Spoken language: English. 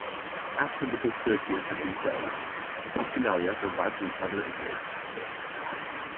After the conspiracy had been quelled the Bacchanalia survived in southern Italy.